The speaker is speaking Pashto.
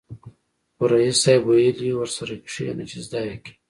خو ريس صيب ويلې ورسره کېنه چې زده يې کې.